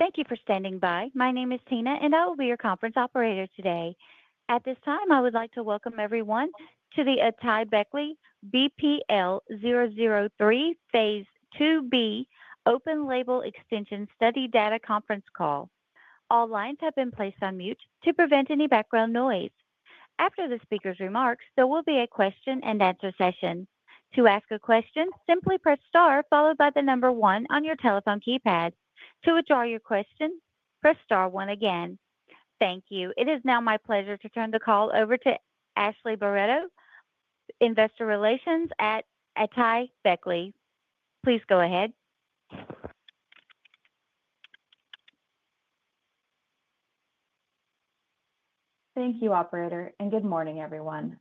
Thank you for standing by. My name is Tina, and I will be your conference operator today. At this time, I would like to welcome everyone to the AtaiBeckley BPL-003 Phase II-B Open-Label Extension Study Data conference call. All lines have been placed on mute to prevent any background noise. After the speaker's remarks, there will be a question-and-answer session. To ask a question, simply press star followed by the number one on your telephone keypad. To withdraw your question, press star one again. Thank you. It is now my pleasure to turn the call over to Ashleigh Barreto, Investor Relations at AtaiBeckley. Please go ahead. Thank you, Operator, and good morning, everyone.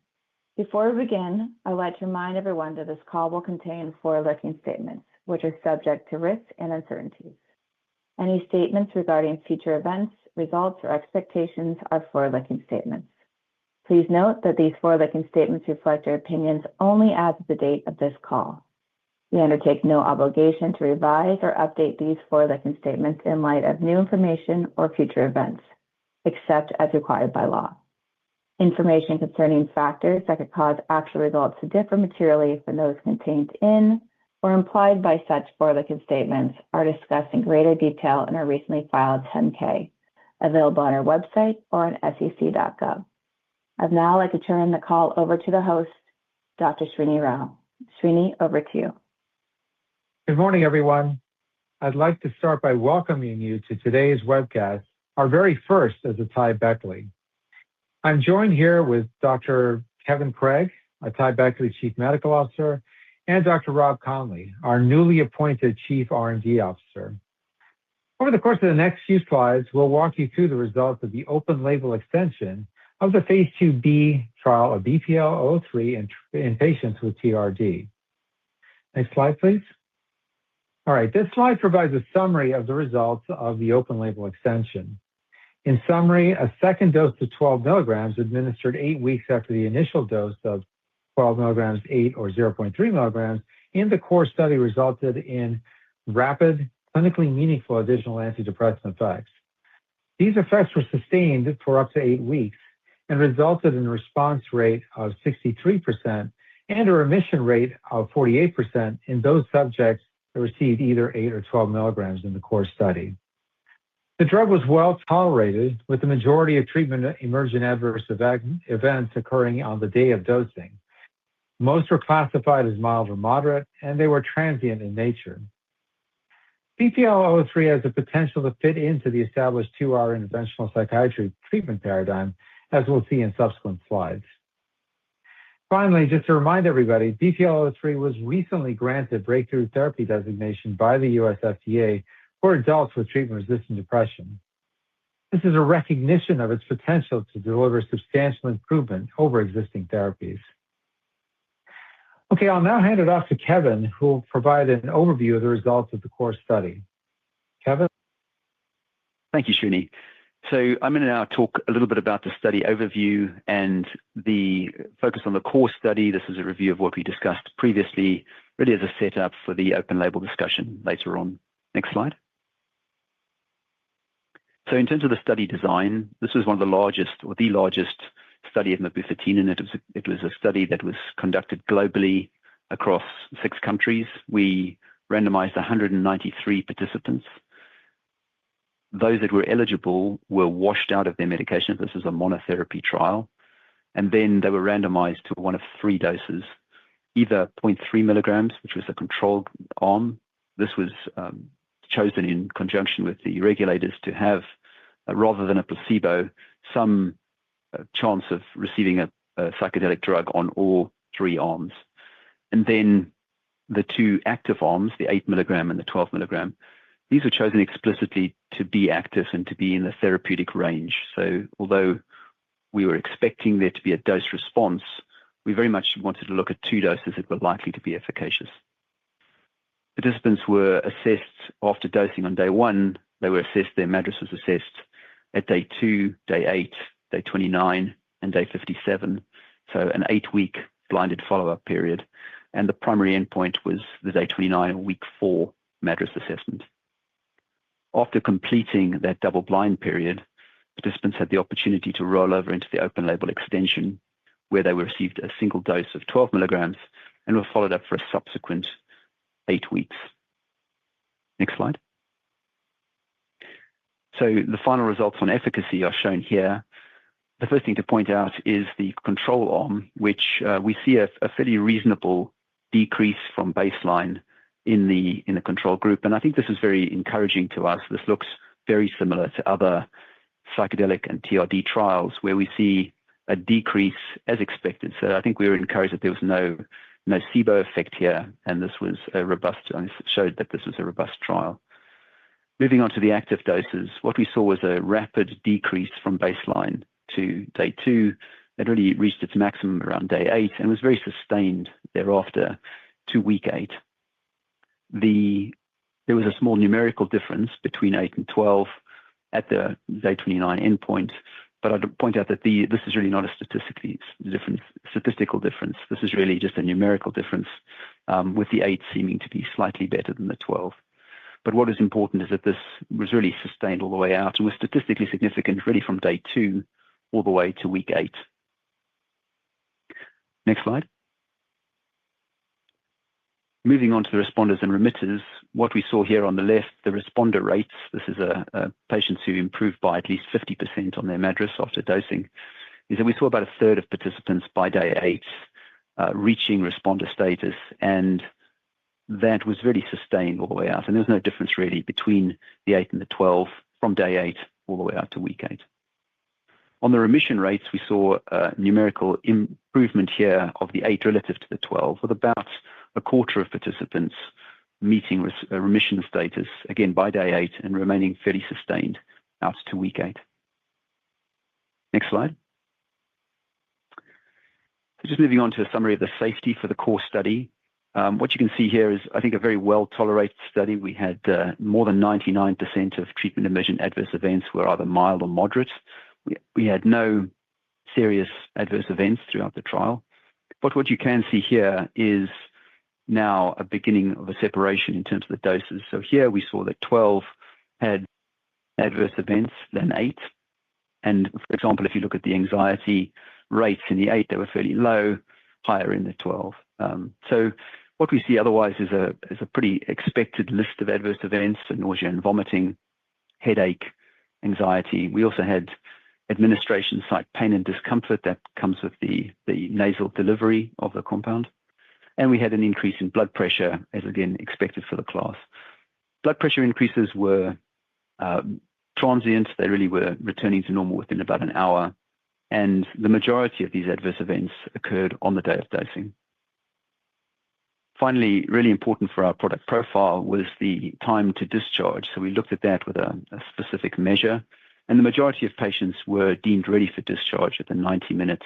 Before we begin, I would like to remind everyone that this call will contain forward-looking statements, which are subject to risks and uncertainties. Any statements regarding future events, results, or expectations are forward-looking statements. Please note that these forward-looking statements reflect your opinions only as of the date of this call. We undertake no obligation to revise or update these forward-looking statements in light of new information or future events, except as required by law. Information concerning factors that could cause actual results to differ materially from those contained in or implied by such forward-looking statements are discussed in greater detail in our recently filed 10-K, available on our website or on sec.gov. I'd now like to turn the call over to the host, Dr. Srini Rao. Srini, over to you. Good morning, everyone. I'd like to start by welcoming you to today's webcast, our very first as AtaiBeckley. I'm joined here with Dr. Kevin Craig, AtaiBeckley Chief Medical Officer, and Dr. Robert Conley, our newly appointed Chief R&D Officer. Over the course of the next few slides, we'll walk you through the results of the Open-Label Extension of the Phase II-B trial of BPL-003 in patients with TRD. Next slide, please. All right, this slide provides a summary of the results of the Open-Label Extension. In summary, a second dose of 12 mg administered eight weeks after the initial dose of 12 mg, 8 or 0.3 mg, in the core study resulted in rapid, clinically meaningful additional antidepressant effects. These effects were sustained for up to eight weeks and resulted in a response rate of 63% and a remission rate of 48% in those subjects that received either 8 or 12 mg in the core study. The drug was well tolerated, with the majority of Treatment-Emergent Adverse Events occurring on the day of dosing. Most were classified as mild or moderate, and they were transient in nature. BPL-003 has the potential to fit into the established two-hour interventional psychiatry treatment paradigm, as we'll see in subsequent slides. Finally, just to remind everybody, BPL-003 was recently granted a Breakthrough Therapy Designation by the U.S. FDA for adults with Treatment-Resistant Depression. This is a recognition of its potential to deliver substantial improvement over existing therapies. Okay, I'll now hand it off to Kevin, who will provide an overview of the results of the core study. Kevin. Thank you, Srini. I'm going to now talk a little bit about the study overview and the focus on the core study. This is a review of what we discussed previously, really as a setup for the Open-Label discussion later on. Next slide. In terms of the study design, this was one of the largest, or the largest study of 5-MeO-DMT. It was a study that was conducted globally across six countries. We randomized 193 participants. Those that were eligible were washed out of their medications. This was a monotherapy trial. Then they were randomized to one of three doses, either 0.3 mg, which was a controlled arm. This was chosen in conjunction with the regulators to have, rather than a placebo, some chance of receiving a psychedelic drug on all three arms. And then the two active arms, the 8 mg and the 12 mg, these were chosen explicitly to be active and to be in the therapeutic range. So although we were expecting there to be a dose response, we very much wanted to look at two doses that were likely to be efficacious. Participants were assessed after dosing on day one. They were, their MADRS was assessed at day two, day eight, day 29, and day 57. So an eight-week blinded follow-up period. And the primary endpoint was the day 29, week four MADRS assessment. After completing that double-blind period, participants had the opportunity to roll over into the Open-Label Extension, where they received a single dose of 12 mg and were followed up for a subsequent eight weeks. Next slide. So the final results on efficacy are shown here. The first thing to point out is the control arm, which we see a fairly reasonable decrease from baseline in the control group. And I think this is very encouraging to us. This looks very similar to other psychedelic and TRD trials, where we see a decrease as expected. So I think we were encouraged that there was no placebo effect here, and this showed that this was a robust trial. Moving on to the active doses, what we saw was a rapid decrease from baseline to day two. It really reached its maximum around day eight and was very sustained thereafter to week eight. There was a small numerical difference between 8 and 12 at the day 29 endpoint, but I'd point out that this is really not a statistical difference. This is really just a numerical difference, with the eight seeming to be slightly better than the 12. But what is important is that this was really sustained all the way out and was statistically significant really from day two all the way to week eight. Next slide. Moving on to the responders and remitters, what we saw here on the left, the responder rates, this is patients who improved by at least 50% on their MADRS after dosing, is that we saw about a third of participants by day eight reaching responder status, and that was really sustained all the way out. And there was no difference really between the 8 and the 12 from day eight all the way out to week eight. On the remission rates, we saw a numerical improvement here of the 8 relative to the 12, with about a quarter of participants meeting remission status, again, by day eight and remaining fairly sustained out to week eight. Next slide. Just moving on to a summary of the safety for the core study. What you can see here is, I think, a very well-tolerated study. We had more than 99% of treatment-emergent adverse events were either mild or moderate. We had no serious adverse events throughout the trial. But what you can see here is now a beginning of a separation in terms of the doses. So here we saw that 12 had adverse events, then eight. And for example, if you look at the anxiety rates in the eight, they were fairly low, higher in the 12. What we see otherwise is a pretty expected list of adverse events: nausea and vomiting, headache, anxiety. We also had administration site pain and discomfort that comes with the nasal delivery of the compound. We had an increase in blood pressure, as again, expected for the class. Blood pressure increases were transient. They really were returning to normal within about an hour. The majority of these adverse events occurred on the day of dosing. Finally, really important for our product profile was the time to discharge. We looked at that with a specific measure. The majority of patients were deemed ready for discharge at the 90-minute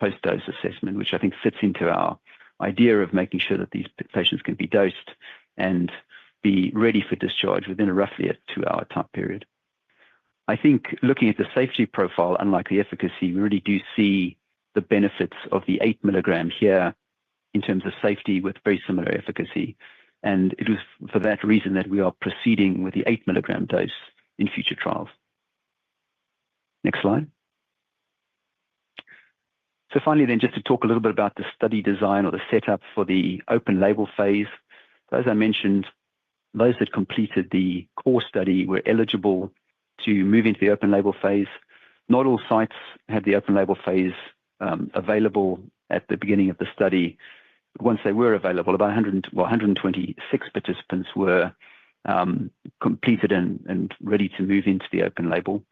post-dose assessment, which I think fits into our idea of making sure that these patients can be dosed and be ready for discharge within a roughly two-hour time period. I think looking at the safety profile, unlike the efficacy, we really do see the benefits of the eight mg here in terms of safety with very similar efficacy, and it was for that reason that we are proceeding with the 8 mg dose in future trials. Next slide, so finally, then just to talk a little bit about the study design or the setup for the Open-Label phase. As I mentioned, those that completed the core study were eligible to move into the Open-Label phase. Not all sites had the Open-Label phase available at the beginning of the study. Once they were available, about 126 participants were completed and ready to move into the Open-Label,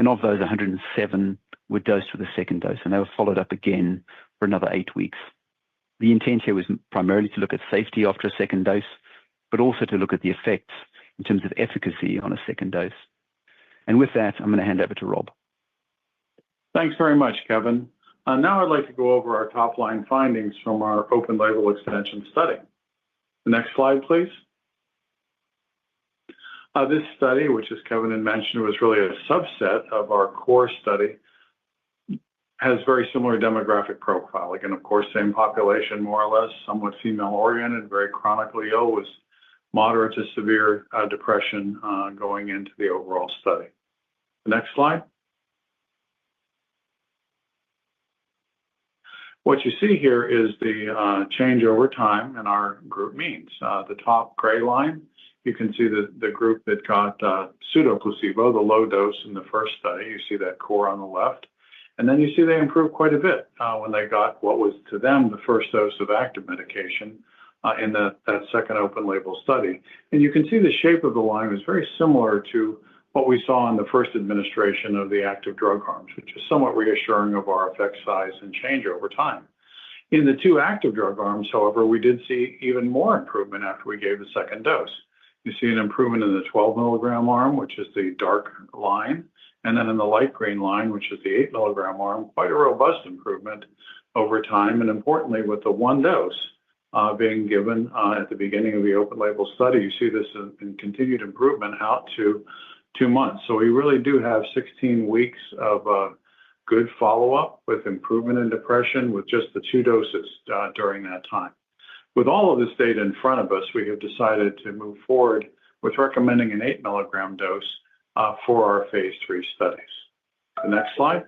and of those, 107 were dosed with a second dose, and they were followed up again for another eight weeks. The intent here was primarily to look at safety after a second dose, but also to look at the effects in terms of efficacy on a second dose, and with that, I'm going to hand over to Rob. Thanks very much, Kevin. Now I'd like to go over our top-line findings from our Open-Label Extension study. Next slide, please. This study, which, as Kevin had mentioned, was really a subset of our core study, has a very similar demographic profile. Again, of course, same population, more or less, somewhat female-oriented, very chronically ill, with moderate to severe depression going into the overall study. Next slide. What you see here is the change over time in our group means. The top gray line, you can see the group that got pseudo-placebo, the low dose in the first study. You see that curve on the left. And then you see they improved quite a bit when they got what was, to them, the first dose of active medication in that second Open-Label study. You can see the shape of the line was very similar to what we saw in the first administration of the active drug arms, which is somewhat reassuring of our effect size and change over time. In the two active drug arms, however, we did see even more improvement after we gave the second dose. You see an improvement in the 12 mg arm, which is the dark line, and then in the light green line, which is the eight mg arm, quite a robust improvement over time. And importantly, with the one dose being given at the beginning of the Open-Label study, you see this in continued improvement out to two months. So we really do have 16 weeks of good follow-up with improvement in depression with just the two doses during that time. With all of this data in front of us, we have decided to move forward with recommending an eight mg dose for our phase III studies. The next slide.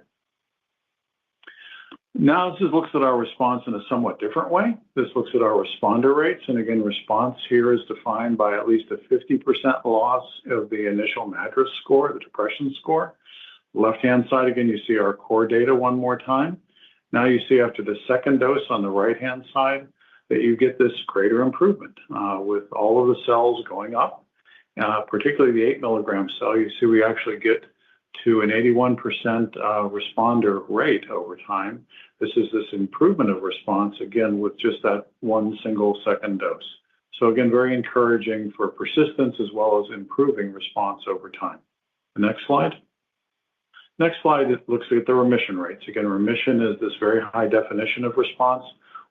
Now, this looks at our response in a somewhat different way. This looks at our responder rates. And again, response here is defined by at least a 50% loss of the initial MADRS score, the depression score. Left-hand side, again, you see our core data one more time. Now you see after the second dose on the right-hand side that you get this greater improvement with all of the cells going up, particularly the eight mg cell. You see we actually get to an 81% responder rate over time. This is the improvement of response, again, with just that one single second dose. So again, very encouraging for persistence as well as improving response over time. The next slide. Next slide looks at the remission rates. Again, remission is this very high definition of response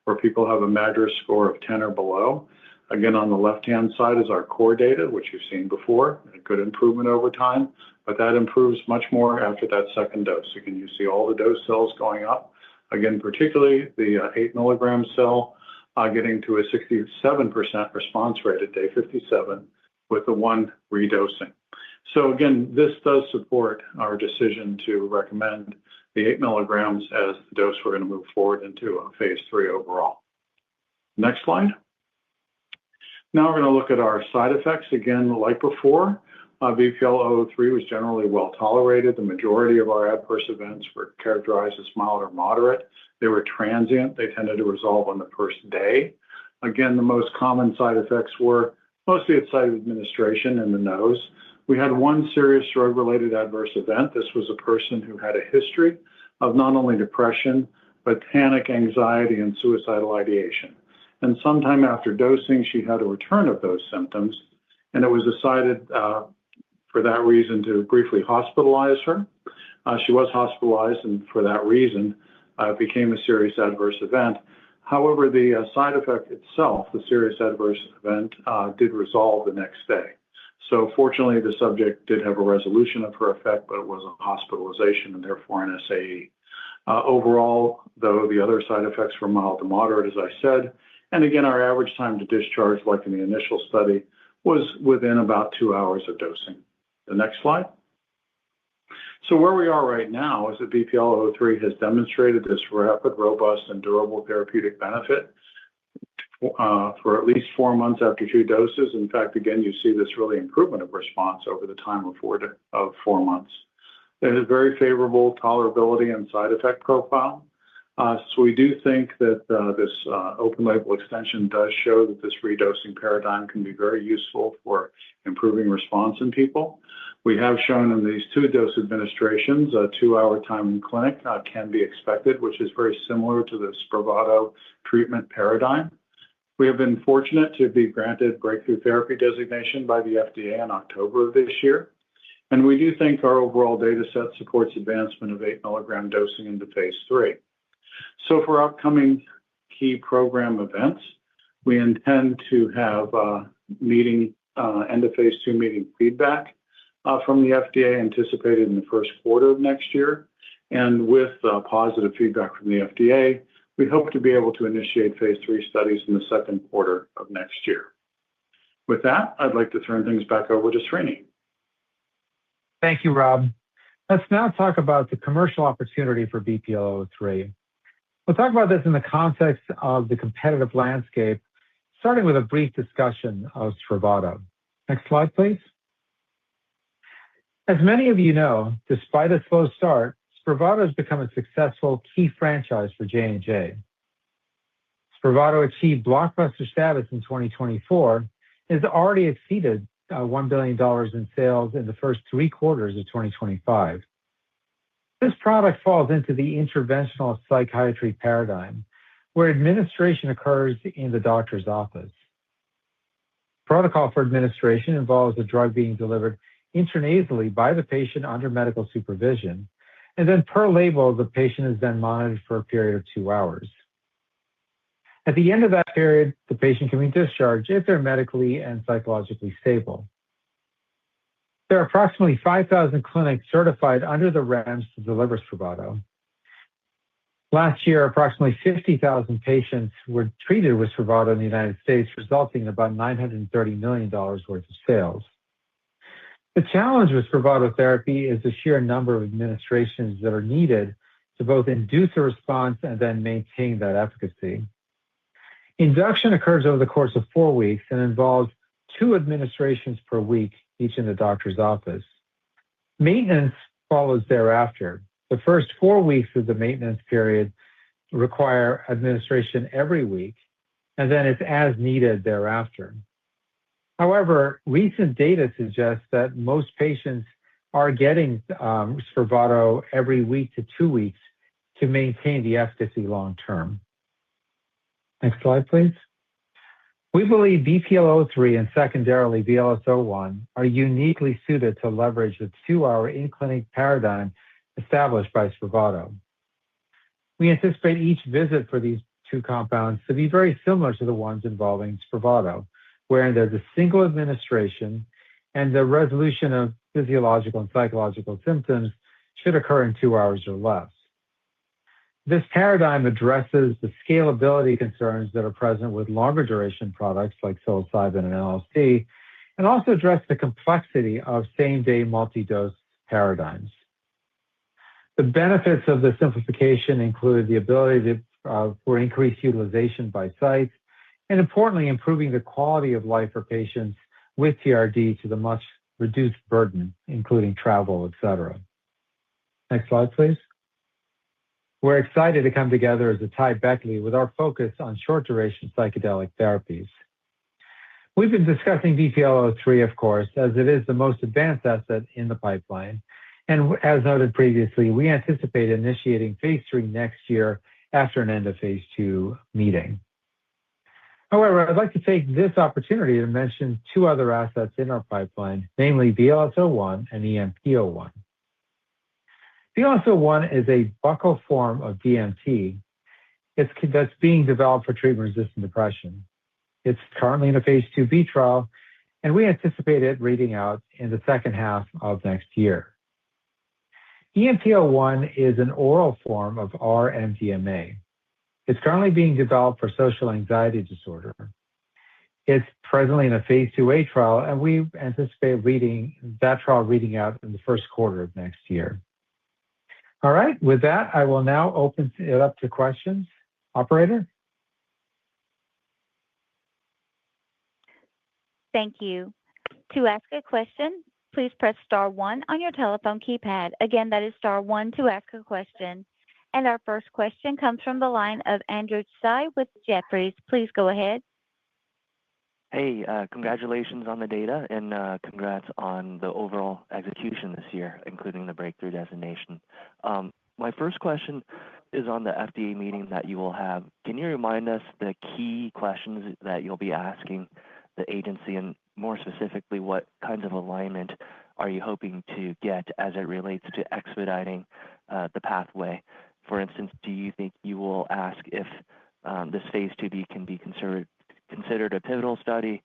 where people have a MADRS score of 10 or below. Again, on the left-hand side is our core data, which you've seen before, a good improvement over time, but that improves much more after that second dose. Again, you see all the dose cells going up. Again, particularly the eight mg cell getting to a 67% response rate at day 57 with the one redosing. So again, this does support our decision to recommend the eight mg as the dose we're going to move forward into phase III overall. Next slide. Now we're going to look at our side effects. Again, like before, BPL-003 was generally well tolerated. The majority of our adverse events were characterized as mild or moderate. They were transient. They tended to resolve on the first day. Again, the most common side effects were mostly at site of administration in the nose. We had one serious drug-related adverse event. This was a person who had a history of not only depression, but panic, anxiety, and suicidal ideation, and sometime after dosing, she had a return of those symptoms, and it was decided for that reason to briefly hospitalize her. She was hospitalized, and for that reason, it became a serious adverse event. However, the side effect itself, the serious adverse event, did resolve the next day, so fortunately, the subject did have a resolution of her effect, but it was a hospitalization and therefore an SAE. Overall, though, the other side effects were mild to moderate, as I said, and again, our average time to discharge, like in the initial study, was within about two hours of dosing. The next slide. So where we are right now is that BPL-003 has demonstrated this rapid, robust, and durable therapeutic benefit for at least four months after two doses. In fact, again, you see this real improvement of response over the time of four months. It has very favorable tolerability and side-effect profile. So we do think that this Open-Label extension does show that this redosing paradigm can be very useful for improving response in people. We have shown in these two-dose administrations, a two-hour time in clinic can be expected, which is very similar to the SPRAVATO treatment paradigm. We have been fortunate to be granted Breakthrough Therapy Designation by the FDA in October of this year. And we do think our overall dataset supports advancement of eight-mg dosing into phase III. For upcoming key program events, we intend to have end-of-phase II meeting feedback from the FDA anticipated in the first quarter of next year. With positive feedback from the FDA, we hope to be able to initiate phase III studies in the second quarter of next year. With that, I'd like to turn things back over to Srini. Thank you, Rob. Let's now talk about the commercial opportunity for BPL-003. We'll talk about this in the context of the competitive landscape, starting with a brief discussion of SPRAVATO. Next slide, please. As many of you know, despite its slow start, SPRAVATO has become a successful key franchise for J&J. SPRAVATO achieved blockbuster status in 2024 and has already exceeded $1 billion in sales in the first three quarters of 2025. This product falls into the interventional psychiatry paradigm, where administration occurs in the doctor's office. Protocol for administration involves a drug being delivered intranasally by the patient under medical supervision, and then per label, the patient is then monitored for a period of two hours. At the end of that period, the patient can be discharged if they're medically and psychologically stable. There are approximately 5,000 clinics certified under the REMS to deliver SPRAVATO. Last year, approximately 50,000 patients were treated with SPRAVATO in the United States, resulting in about $930 million worth of sales. The challenge with SPRAVATO therapy is the sheer number of administrations that are needed to both induce a response and then maintain that efficacy. Induction occurs over the course of four weeks and involves two administrations per week, each in the doctor's office. Maintenance follows thereafter. The first four weeks of the maintenance period require administration every week, and then it's as needed thereafter. However, recent data suggests that most patients are getting SPRAVATO every week to two weeks to maintain the efficacy long term. Next slide, please. We believe BPL-003 and secondarily VLS-01 are uniquely suited to leverage the two-hour in-clinic paradigm established by SPRAVATO. We anticipate each visit for these two compounds to be very similar to the ones involving SPRAVATO, wherein there's a single administration and the resolution of physiological and psychological symptoms should occur in two hours or less. This paradigm addresses the scalability concerns that are present with longer duration products like psilocybin and LSD, and also addresses the complexity of same-day multi-dose paradigms. The benefits of the simplification include the ability for increased utilization by sites, and importantly, improving the quality of life for patients with TRD due to the much reduced burden, including travel, etc. Next slide, please. We're excited to come together as the Atai-backed lead with our focus on short-duration psychedelic therapies. We've been discussing BPL-003, of course, as it is the most advanced asset in the pipeline. And as noted previously, we anticipate initiating phase III next year after an end-of-phase II meeting. However, I'd like to take this opportunity to mention two other assets in our pipeline, namely VLS-01 and EMP-01. VLS-01 is a buccal form of DMT that's being developed for treatment-resistant depression. It's currently in a phase II-B trial, and we anticipate it reading out in the second half of next year. EMP-01 is an oral form of R-MDMA. It's currently being developed for social anxiety disorder. It's presently in a phase II-A trial, and we anticipate that trial reading out in the first quarter of next year. All right, with that, I will now open it up to questions. Operator. Thank you. To ask a question, please press star one on your telephone keypad. Again, that is star one to ask a question. And our first question comes from the line of Andrew Tsai with Jefferies. Please go ahead. Hey, congratulations on the data, and congrats on the overall execution this year, including the breakthrough designation. My first question is on the FDA meeting that you will have. Can you remind us the key questions that you'll be asking the agency, and more specifically, what kinds of alignment are you hoping to get as it relates to expediting the pathway? For instance, do you think you will ask if this phase II-B can be considered a pivotal study,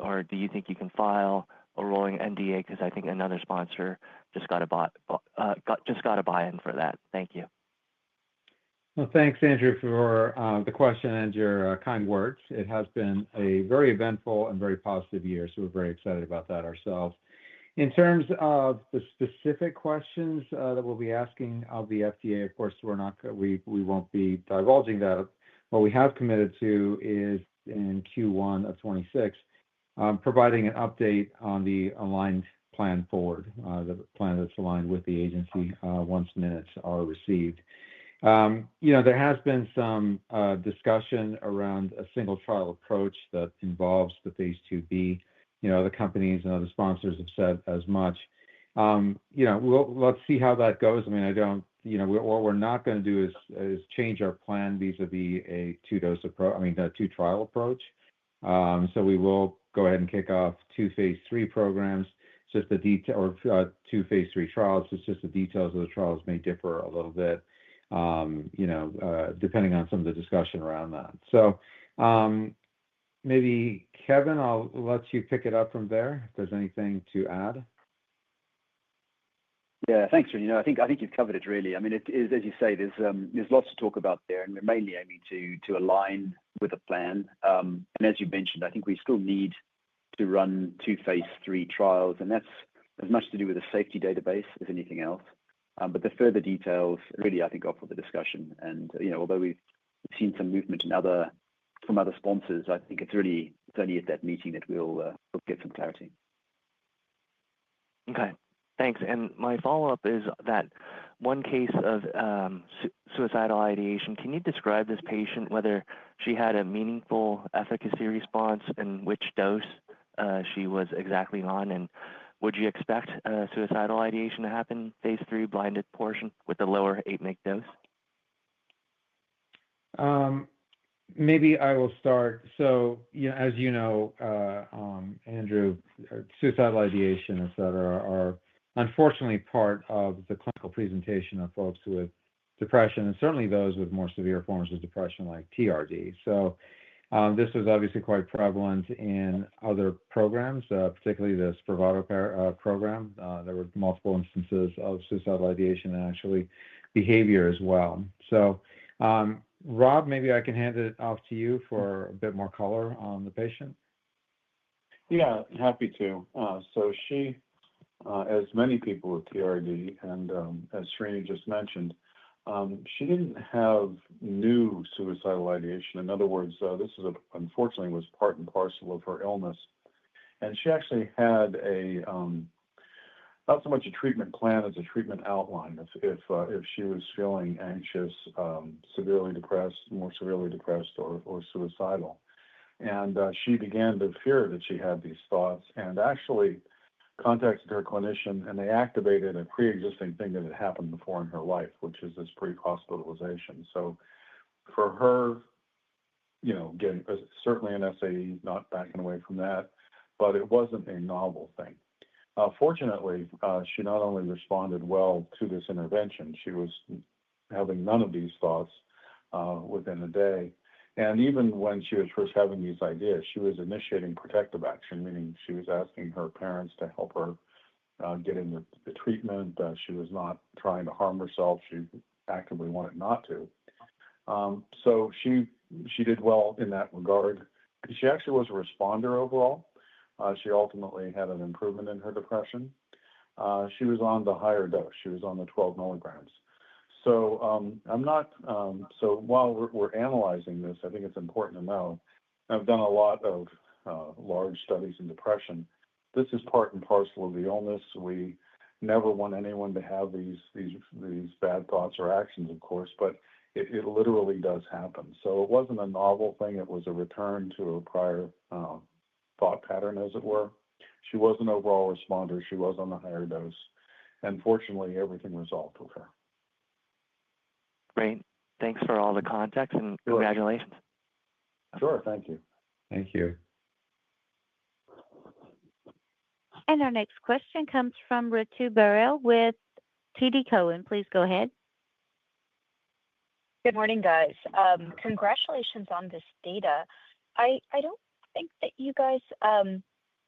or do you think you can file a rolling NDA? Because I think another sponsor just got a buy-in for that. Thank you. Thanks, Andrew, for the question and your kind words. It has been a very eventful and very positive year, so we're very excited about that ourselves. In terms of the specific questions that we'll be asking of the FDA, of course, we won't be divulging that. What we have committed to is in Q1 of 2026, providing an update on the aligned plan forward, the plan that's aligned with the agency once minutes are received. There has been some discussion around a single-trial approach that involves the phase II-B. The companies and other sponsors have said as much. Let's see how that goes. I mean, what we're not going to do is change our plan vis-à-vis a two-dose approach, I mean, a two-trial approach. So we will go ahead and kick off two phase III programs. Two phase III trials. It's just the details of the trials may differ a little bit depending on some of the discussion around that, so maybe Kevin, I'll let you pick it up from there if there's anything to add. Yeah, thanks, Srini. I think you've covered it really. I mean, as you say, there's lots to talk about there, and we're mainly aiming to align with the plan, and as you mentioned, I think we still need to run two phase III trials, and that's as much to do with the safety database as anything else, but the further details really, I think, are for the discussion, and although we've seen some movement from other sponsors, I think it's really certainly at that meeting that we'll get some clarity. Okay. Thanks. And my follow-up is that one case of suicidal ideation. Can you describe this patient, whether she had a meaningful efficacy response and which dose she was exactly on? And would you expect suicidal ideation to happen phase III blinded portion with the lower eight-week dose? Maybe I will start. So as you know, Andrew, suicidal ideation, etc., are unfortunately part of the clinical presentation of folks with depression, and certainly those with more severe forms of depression like TRD. So this was obviously quite prevalent in other programs, particularly the SPRAVATO program. There were multiple instances of suicidal ideation and actually behavior as well. So Rob, maybe I can hand it off to you for a bit more color on the patient. Yeah, happy to. So she, as many people with TRD, and as Srini just mentioned, she didn't have new suicidal ideation. In other words, this unfortunately was part and parcel of her illness and she actually had not so much a treatment plan as a treatment outline if she was feeling anxious, severely depressed, more severely depressed, or suicidal and she began to fear that she had these thoughts and actually contacted her clinician, and they activated a pre-existing thing that had happened before in her life, which is this brief hospitalization so for her, certainly an SAE, not backing away from that, but it wasn't a novel thing. Fortunately, she not only responded well to this intervention, she was having none of these thoughts within a day. And even when she was first having these ideas, she was initiating protective action, meaning she was asking her parents to help her get in the treatment. She was not trying to harm herself. She actively wanted not to. So she did well in that regard. She actually was a responder overall. She ultimately had an improvement in her depression. She was on the higher dose. She was on the 12 mg. So while we're analyzing this, I think it's important to know. I've done a lot of large studies in depression. This is part and parcel of the illness. We never want anyone to have these bad thoughts or actions, of course, but it literally does happen. So it wasn't a novel thing. It was a return to a prior thought pattern, as it were. She was an overall responder. She was on the higher dose. Fortunately, everything resolved with her. Great. Thanks for all the context and congratulations. Sure. Thank you. Thank you. Our next question comes from Ritu Baral with TD Cowen. Please go ahead. Good morning, guys. Congratulations on this data. I don't think that you guys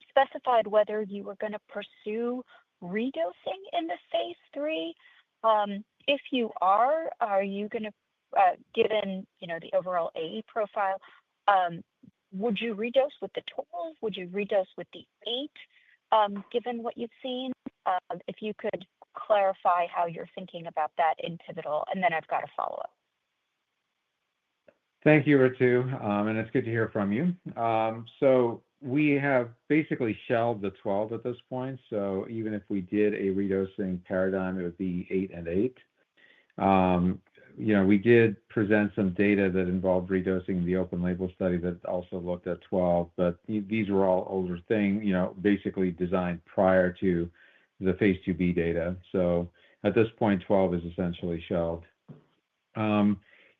specified whether you were going to pursue redosing in the phase III. If you are, are you going to, given the overall safety profile, would you redose with the 12? Would you redose with the 8, given what you've seen? If you could clarify how you're thinking about that in pivotal. And then I've got a follow-up. Thank you, Ritu. And it's good to hear from you. We have basically shelved the 12 at this point. Even if we did a redosing paradigm, it would be eight and eight. We did present some data that involved redosing the Open-Label study that also looked at 12, but these were all older things, basically designed prior to the phase II-B data. At this point, 12 is essentially shelved.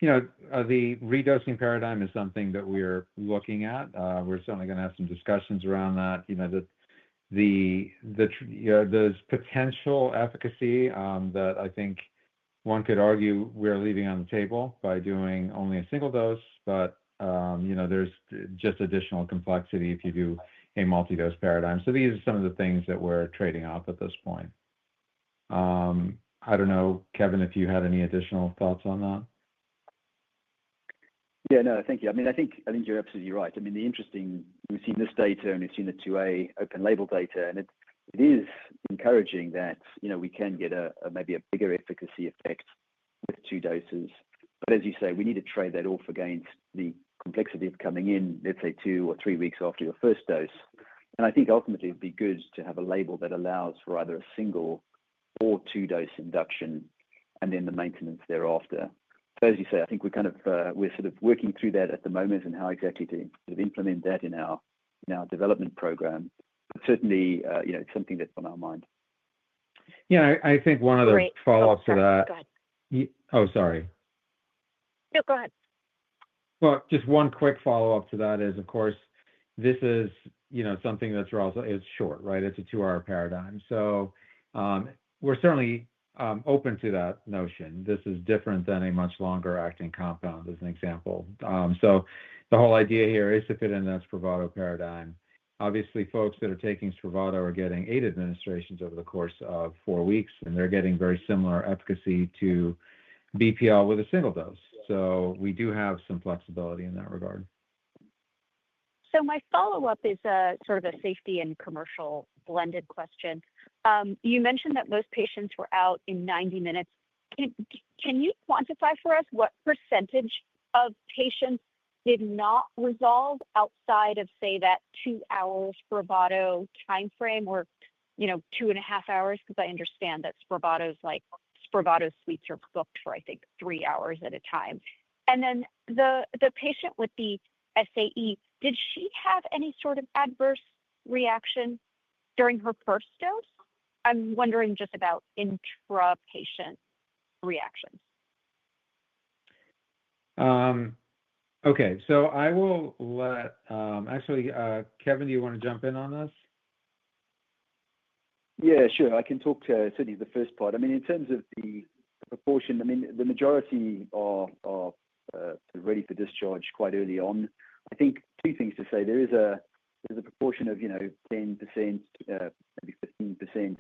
The redosing paradigm is something that we're looking at. We're certainly going to have some discussions around that. The potential efficacy that I think one could argue we're leaving on the table by doing only a single dose, but there's just additional complexity if you do a multi-dose paradigm. These are some of the things that we're trading off at this point. I don't know, Kevin, if you had any additional thoughts on that. Yeah, no, thank you. I mean, I think you're absolutely right. I mean, that's interesting. We've seen this data, and we've seen the II-A Open-Label data, and it is encouraging that we can get maybe a bigger efficacy effect with two doses. But as you say, we need to trade that off against the complexity of coming in, let's say, two or three weeks after your first dose. And I think ultimately it'd be good to have a label that allows for either a single or two-dose induction and then the maintenance thereafter. But as you say, I think we're kind of sort of working through that at the moment and how exactly to implement that in our development program. But certainly, it's something that's on our mind. Yeah, I think one of the follow-ups to that. Oh, sorry. No, go ahead. Just one quick follow-up to that is, of course, this is something that's relatively short, right? It's a two-hour paradigm. So we're certainly open to that notion. This is different than a much longer acting compound, as an example. So the whole idea here is to fit in that SPRAVATO paradigm. Obviously, folks that are taking SPRAVATO are getting eight administrations over the course of four weeks, and they're getting very similar efficacy to BPL with a single dose. So we do have some flexibility in that regard. My follow-up is sort of a safety and commercial blended question. You mentioned that most patients were out in 90 minutes. Can you quantify for us what percentage of patients did not resolve outside of, say, that two-hour SPRAVATO timeframe or two and a half hours? Because I understand that SPRAVATO suites are booked for, I think, three hours at a time. And then the patient with the SAE, did she have any sort of adverse reaction during her first dose? I'm wondering just about intrapatient reactions. Okay. So I will let actually, Kevin, do you want to jump in on this? Yeah, sure. I can talk to Sydney the first part. I mean, in terms of the proportion, I mean, the majority are ready for discharge quite early on. I think two things to say. There is a proportion of 10%, maybe 15%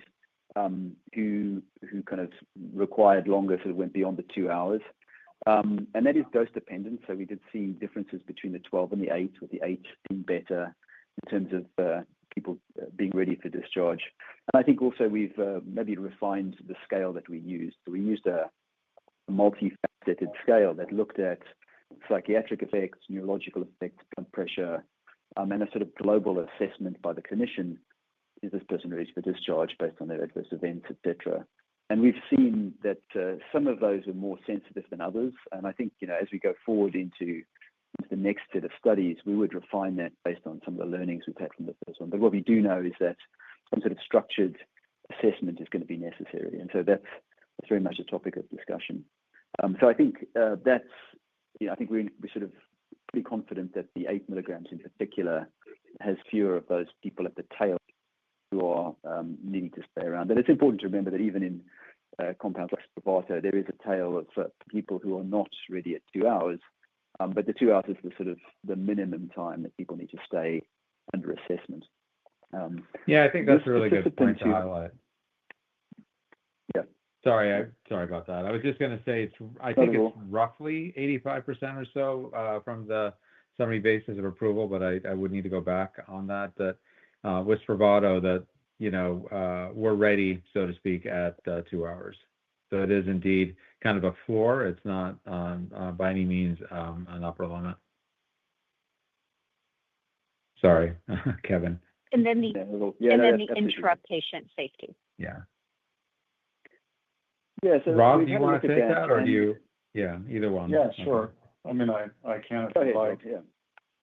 who kind of required longer, sort of went beyond the two hours, and that is dose-dependent. So we did see differences between the 12 and the 8, with the 8 being better in terms of people being ready for discharge, and I think also we've maybe refined the scale that we used. We used a multi-faceted scale that looked at psychiatric effects, neurological effects, blood pressure, and a sort of global assessment by the clinician, is this person ready for discharge based on their adverse events, etc., and we've seen that some of those are more sensitive than others. And I think as we go forward into the next set of studies, we would refine that based on some of the learnings we've had from the first one. But what we do know is that some sort of structured assessment is going to be necessary. And so that's very much a topic of discussion. So I think that's. I think we're sort of pretty confident that the eight mg in particular has fewer of those people at the tail who are needing to stay around. But it's important to remember that even in compounds like SPRAVATO, there is a tail of people who are not ready at two hours. But the two hours is sort of the minimum time that people need to stay under assessment. Yeah, I think that's a really good point to highlight. Yeah. Sorry, sorry about that. I was just going to say, I think it's roughly 85% or so from the summary basis of approval, but I would need to go back on that, with SPRAVATO, that we're ready, so to speak, at two hours. So it is indeed kind of a floor. It's not by any means an upper limit. Sorry, Kevin. Then the intrapatient safety. Yeah. Yeah. Rob, do you want to take that, or do you? Yeah, either one. Yeah, sure. I mean, I can apply. Go ahead.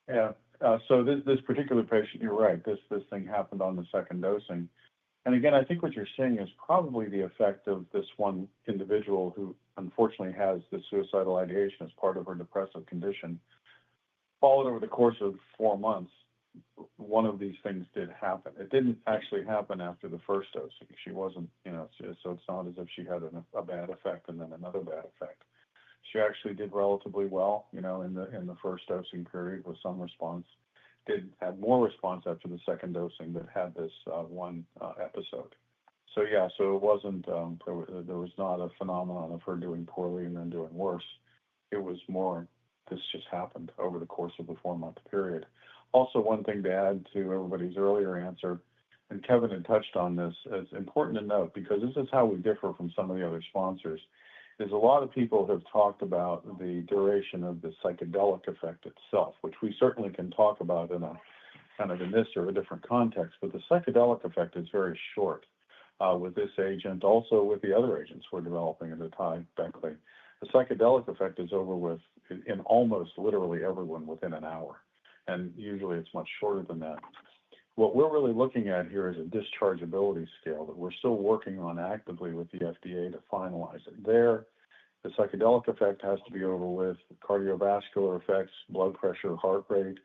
Yeah. So this particular patient, you're right, this thing happened on the second dosing. And again, I think what you're seeing is probably the effect of this one individual who unfortunately has the suicidal ideation as part of her depressive condition. Followed over the course of four months, one of these things did happen. It didn't actually happen after the first dose. She wasn't, so it's not as if she had a bad effect and then another bad effect. She actually did relatively well in the first dosing period with some response. Didn't have more response after the second dosing, but had this one episode. So yeah, so it wasn't a phenomenon of her doing poorly and then doing worse. It was more this just happened over the course of the four-month period. Also, one thing to add to everybody's earlier answer, and Kevin had touched on this. It's important to note because this is how we differ from some of the other sponsors. A lot of people have talked about the duration of the psychedelic effect itself, which we certainly can talk about in a kind of a niche or a different context, but the psychedelic effect is very short with this agent. Also, with the other agents we're developing at the time, Beckley, the psychedelic effect is over with in almost literally everyone within an hour, and usually it's much shorter than that. What we're really looking at here is a dischargeability scale that we're still working on actively with the FDA to finalize it there. The psychedelic effect has to be over with, cardiovascular effects, blood pressure, heart rate,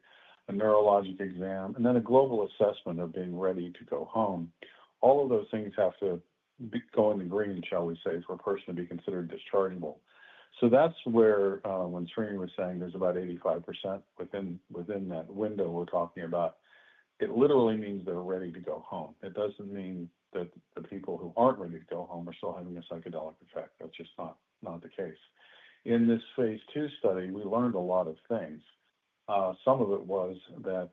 a neurologic exam, and then a global assessment of being ready to go home. All of those things have to go in the green, shall we say, for a person to be considered dischargeable. So that's where when Srini was saying there's about 85% within that window we're talking about, it literally means they're ready to go home. It doesn't mean that the people who aren't ready to go home are still having a psychedelic effect. That's just not the case. In this phase II study, we learned a lot of things. Some of it was that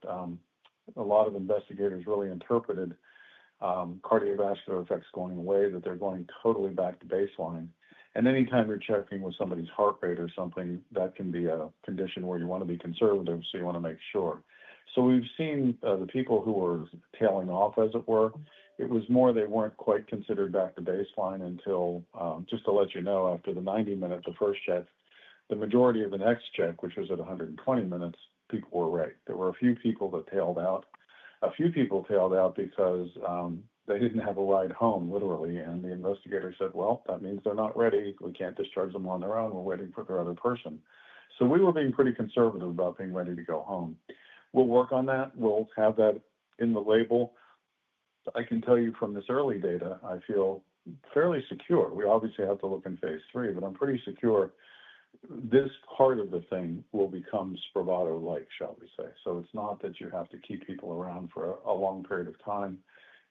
a lot of investigators really interpreted cardiovascular effects going away, that they're going totally back to baseline. Anytime you're checking with somebody's heart rate or something, that can be a condition where you want to be conservative, so you want to make sure. So we've seen the people who were tailing off, as it were. It was more they weren't quite considered back to baseline until just to let you know, after the 90-minute, the first check, the majority of the next check, which was at 120 minutes, people were ready. There were a few people that tailed out. A few people tailed out because they didn't have a ride home, literally. And the investigator said, "Well, that means they're not ready. We can't discharge them on their own. We're waiting for their other person." So we were being pretty conservative about being ready to go home. We'll work on that. We'll have that in the label. I can tell you from this early data, I feel fairly secure. We obviously have to look in phase III, but I'm pretty secure this part of the thing will become SPRAVATO-like, shall we say. So it's not that you have to keep people around for a long period of time.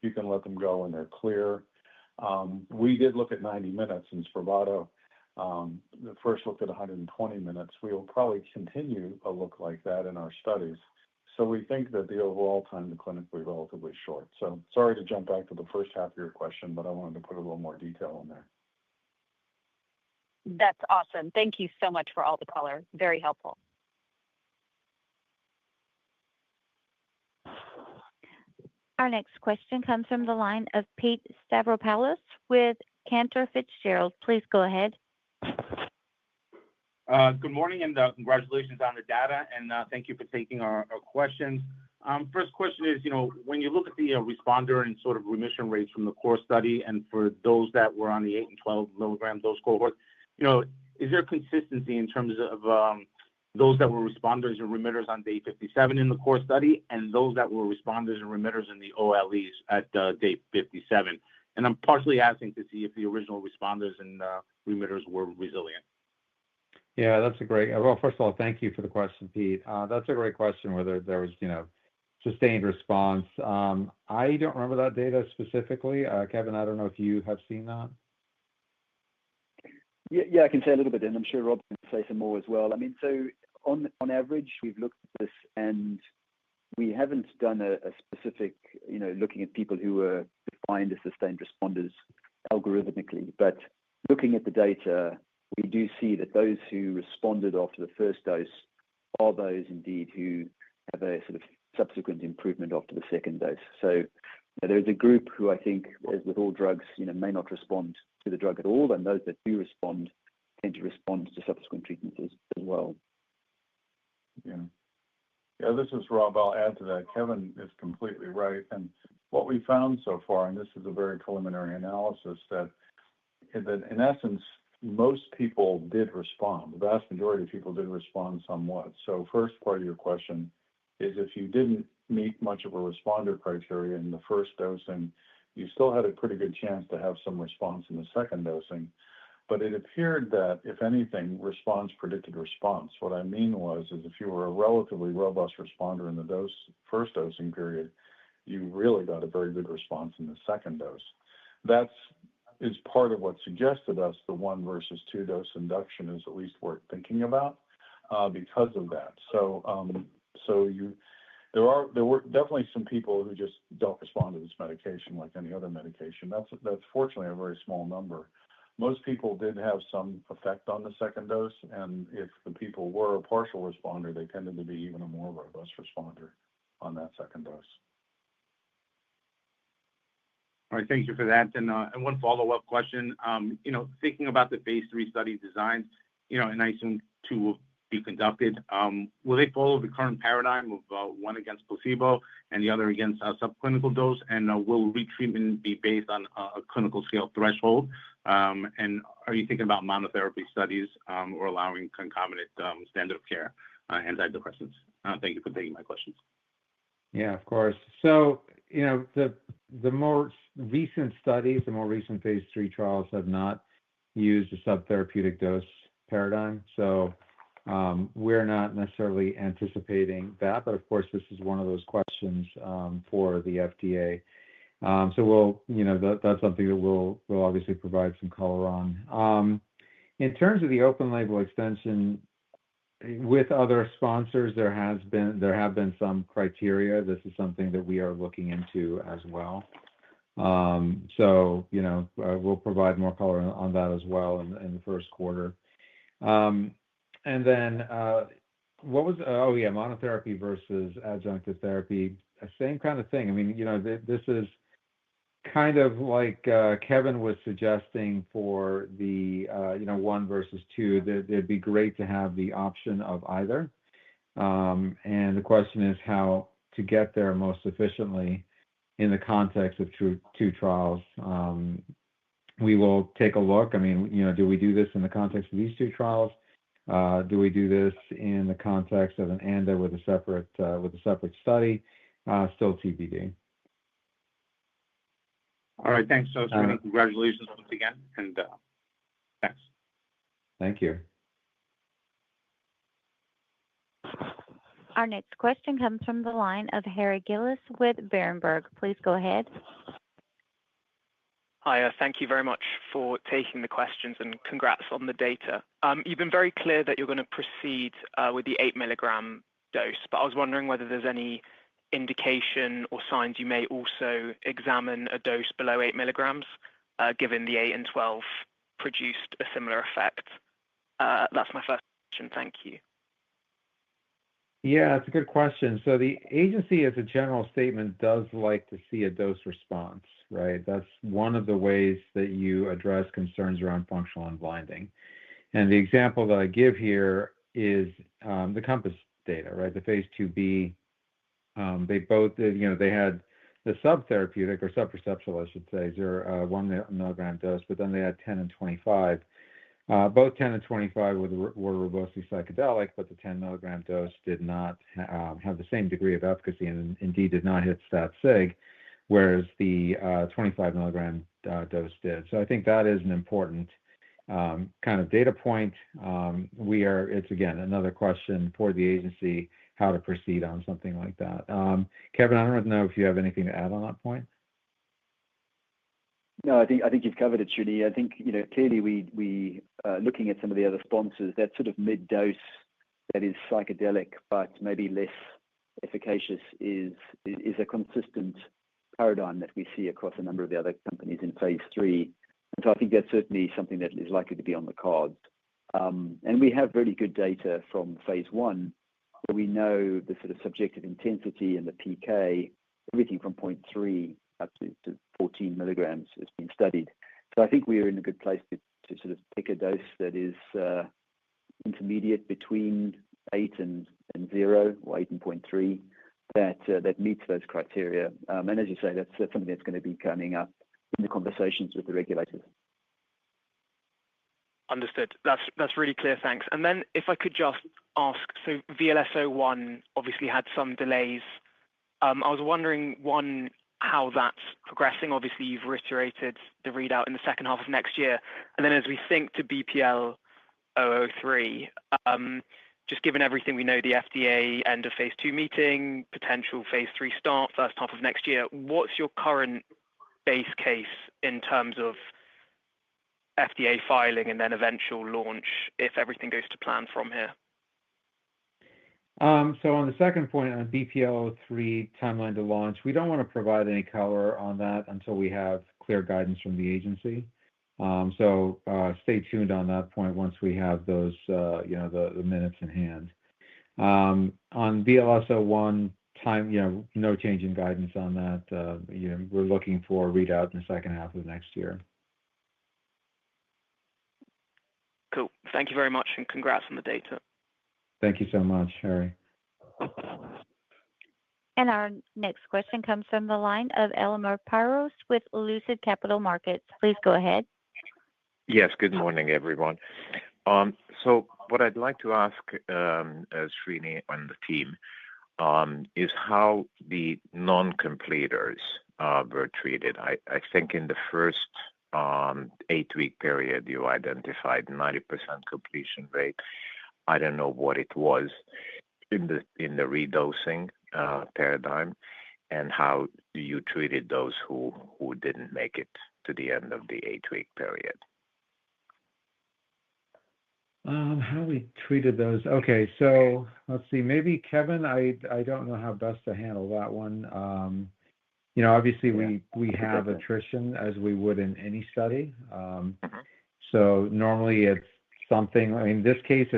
You can let them go when they're clear. We did look at 90 minutes in SPRAVATO. The first looked at 120 minutes. We will probably continue a look like that in our studies. So we think that the overall time to clinic will be relatively short. So sorry to jump back to the first half of your question, but I wanted to put a little more detail in there. That's awesome. Thank you so much for all the color. Very helpful. Our next question comes from the line of Pete Stavropoulos with Cantor Fitzgerald. Please go ahead. Good morning, and congratulations on the data, and thank you for taking our questions. First question is, when you look at the responder and sort of remission rates from the core study and for those that were on the eight and 12 mg dose cohort, is there consistency in terms of those that were responders and remitters on day 57 in the core study and those that were responders and remitters in the OLEs at day 57, and I'm partially asking to see if the original responders and remitters were resilient. Yeah, that's great. Well, first of all, thank you for the question, Pete. That's a great question whether there was sustained response. I don't remember that data specifically. Kevin, I don't know if you have seen that. Yeah, I can say a little bit, and I'm sure Rob can say some more as well. I mean, so on average, we've looked at this, and we haven't done a specific looking at people who were defined as sustained responders algorithmically, but looking at the data, we do see that those who responded after the first dose are those indeed who have a sort of subsequent improvement after the second dose, so there is a group who I think, as with all drugs, may not respond to the drug at all, and those that do respond tend to respond to subsequent treatments as well. Yeah, this is Rob. I'll add to that. Kevin is completely right, and what we found so far, and this is a very preliminary analysis, that in essence, most people did respond. The vast majority of people did respond somewhat, so first part of your question is if you didn't meet much of a responder criteria in the first dosing, you still had a pretty good chance to have some response in the second dosing. But it appeared that, if anything, response predicted response. What I mean was, is if you were a relatively robust responder in the first dosing period, you really got a very good response in the second dose. That is part of what suggested us the one versus two-dose induction is at least worth thinking about because of that. There were definitely some people who just don't respond to this medication like any other medication. That's fortunately a very small number. Most people did have some effect on the second dose. If the people were a partial responder, they tended to be even a more robust responder on that second dose. All right. Thank you for that. And one follow-up question. Thinking about the phase III study designs, and I assume two will be conducted, will they follow the current paradigm of one against placebo and the other against a subclinical dose? And will retreatment be based on a clinical scale threshold? And are you thinking about monotherapy studies or allowing concomitant standard of care antidepressants? Thank you for taking my questions. Yeah, of course. So the more recent studies, the more recent phase III trials have not used a subtherapeutic dose paradigm. So we're not necessarily anticipating that. But of course, this is one of those questions for the FDA. So that's something that we'll obviously provide some color on. In terms of the Open-Label Extension with other sponsors, there have been some criteria. This is something that we are looking into as well. So we'll provide more color on that as well in the first quarter. And then, what was, oh, yeah, monotherapy versus adjunctive therapy, same kind of thing. I mean, this is kind of like Kevin was suggesting for the one versus two, that it'd be great to have the option of either. And the question is how to get there most efficiently in the context of two trials. We will take a look. I mean, do we do this in the context of these two trials? Do we do this in the context of an ANDA with a separate study? Still TBD. All right. Thanks, Dr. Srini. Congratulations once again. And thanks. Thank you. Our next question comes from the line of Harry Gillis with Berenberg. Please go ahead. Hi. Thank you very much for taking the questions and congrats on the data. You've been very clear that you're going to proceed with the eight mg dose, but I was wondering whether there's any indication or signs you may also examine a dose below eight mg, given the eight and 12 produced a similar effect? That's my first question. Thank you. Yeah, that's a good question. So the agency, as a general statement, does like to see a dose response, right? That's one of the ways that you address concerns around functional unblinding. And the example that I give here is the Compass data, right? The phase II-B, they had the subtherapeutic or subperceptual, I should say, 1 mg dose. But then they had 10 and 25. Both 10 and 25 were robustly psychedelic, but the 10 mg dose did not have the same degree of efficacy and indeed did not hit stat-sig, whereas the 25 mg dose did. So I think that is an important kind of data point. It's, again, another question for the agency how to proceed on something like that. Kevin, I don't know if you have anything to add on that point. No, I think you've covered it, Srini. I think clearly, looking at some of the other sponsors, that sort of mid-dose that is psychedelic but maybe less efficacious is a consistent paradigm that we see across a number of the other companies in phase III. And so I think that's certainly something that is likely to be on the cards. And we have really good data from phase I. We know the sort of subjective intensity and the PK, everything from 0.3 up to 14 mg has been studied. So I think we are in a good place to sort of pick a dose that is intermediate between 8 and 0 or 8 and 0.3 that meets those criteria. And as you say, that's something that's going to be coming up in the conversations with the regulators. Understood. That's really clear. Thanks. And then if I could just ask, so VLS-01 obviously had some delays. I was wondering, one, how that's progressing. Obviously, you've reiterated the readout in the second half of next year. And then as we think to BPL-003, just given everything we know, the FDA end of phase II meeting, potential phase III start, first half of next year, what's your current base case in terms of FDA filing and then eventual launch if everything goes to plan from here? So on the second point, on BPL-003 timeline to launch, we don't want to provide any color on that until we have clear guidance from the agency. So stay tuned on that point once we have the minutes in hand. On VLS-01, no change in guidance on that. We're looking for a readout in the second half of next year. Cool. Thank you very much, and congrats on the data. Thank you so much, Harry. And our next question comes from the line of Elemer Piros with Lucid Capital Markets. Please go ahead. Yes, good morning, everyone. So what I'd like to ask Srini and the team is how the non-completers were treated. I think in the first eight-week period, you identified 90% completion rate. I don't know what it was in the redosing paradigm and how you treated those who didn't make it to the end of the eight-week period. How we treated those? Okay. So let's see. Maybe Kevin, I don't know how best to handle that one. Obviously, we have attrition as we would in any study. So normally, it's something. In this case,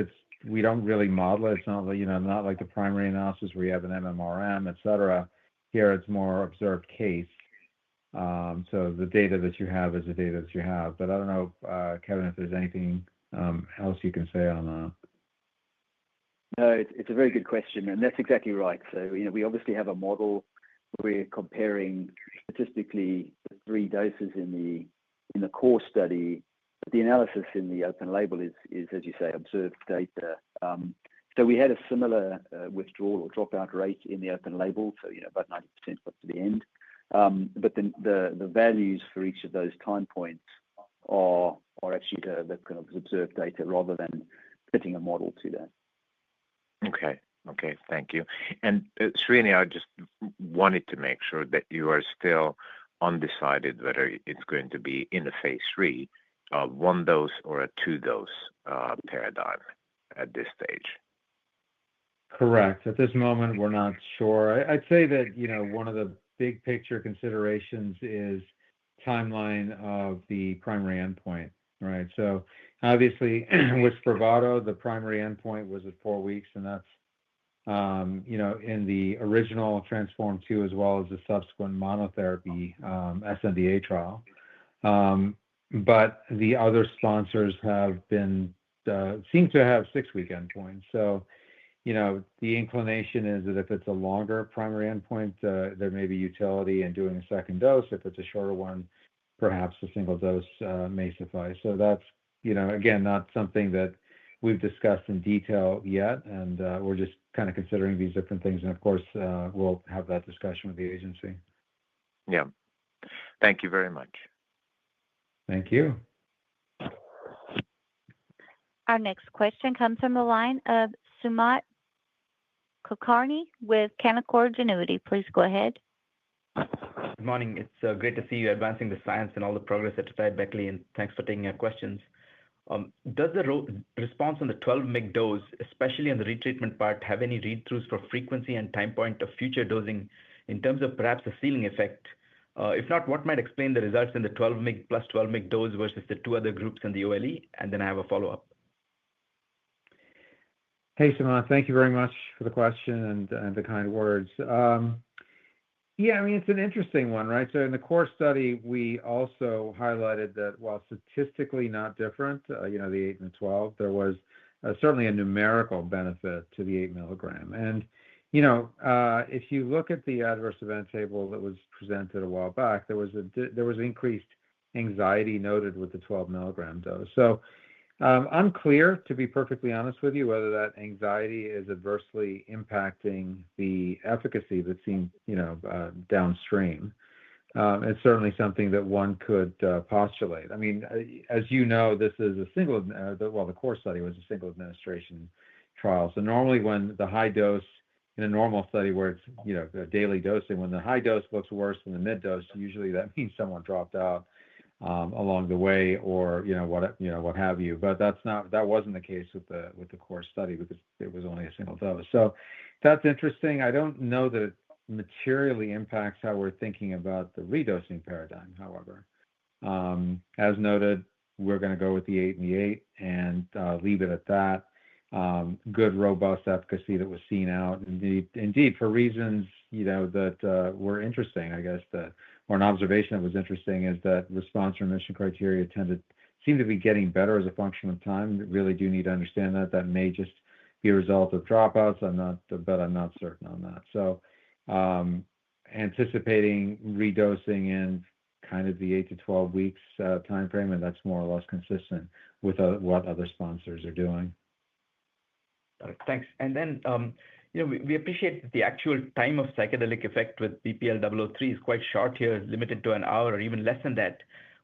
we don't really model it. It's not like the primary analysis where you have an MMRM, etc. Here, it's more observed case. So the data that you have is the data that you have. But I don't know, Kevin, if there's anything else you can say on that. No, it's a very good question. And that's exactly right. So we obviously have a model where we're comparing statistically the three doses in the core study. But the analysis in the Open-Label is, as you say, observed data. So we had a similar withdrawal or dropout rate in the Open-Label, so about 90% up to the end. But then the values for each of those time points are actually the kind of observed data rather than fitting a model to that. Okay. Okay. Thank you. And Srinivas, I just wanted to make sure that you are still undecided whether it's going to be in a phase III, a one-dose or a two-dose paradigm at this stage. Correct. At this moment, we're not sure. I'd say that one of the big picture considerations is timeline of the primary endpoint, right? So obviously, with SPRAVATO, the primary endpoint was at four weeks, and that's in the original Transform 2 as well as the subsequent monotherapy sNDA trial. But the other sponsors seem to have six-week endpoints. So the inclination is that if it's a longer primary endpoint, there may be utility in doing a second dose. If it's a shorter one, perhaps a single dose may suffice. So that's, again, not something that we've discussed in detail yet, and we're just kind of considering these different things. And of course, we'll have that discussion with the agency. Yeah. Thank you very much. Thank you. Our next question comes from the line of Sumant Kulkarni with Canaccord Genuity. Please go ahead. Good morning. It's great to see you advancing the science and all the progress at AtaiBeckley, and thanks for taking our questions. Does the response on the 12-mg dose, especially on the retreatment part, have any read-throughs for frequency and time point of future dosing in terms of perhaps a ceiling effect? If not, what might explain the results in the 12-mg plus 12-mg dose versus the two other groups in the OLE? And then I have a follow-up. Hey, Sumant. Thank you very much for the question and the kind words. Yeah, I mean, it's an interesting one, right? So in the core study, we also highlighted that while statistically not different, the eight and 12, there was certainly a numerical benefit to the eight mg. And if you look at the adverse event table that was presented a while back, there was increased anxiety noted with the 12-mg dose. So unclear, to be perfectly honest with you, whether that anxiety is adversely impacting the efficacy that seemed downstream. It's certainly something that one could postulate. I mean, as you know, this is a single dose, the core study was a single administration trial. So normally, when the high dose in a normal study where it's a daily dose, and when the high dose looks worse than the mid-dose, usually that means someone dropped out along the way or what have you. But that wasn't the case with the core study because it was only a single dose. So that's interesting. I don't know that it materially impacts how we're thinking about the redosing paradigm, however. As noted, we're going to go with the eight and the eight and leave it at that. Good robust efficacy that was seen out. Indeed, for reasons that were interesting, I guess, or an observation that was interesting is that response remission criteria seem to be getting better as a function of time. Really do need to understand that. That may just be a result of dropouts, but I'm not certain on that. Anticipating redosing in kind of the eight- to 12-week time frame, and that's more or less consistent with what other sponsors are doing. Got it. Thanks. And then we appreciate that the actual time of psychedelic effect with BPL-003 is quite short here, limited to an hour or even less than that.